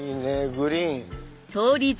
グリーン。